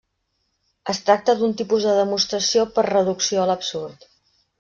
Es tracta d'un tipus de demostració per reducció a l'absurd.